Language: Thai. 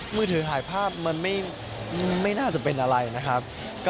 มือถือถ่ายภาพมันไม่น่าจะเป็นอะไรนะครับ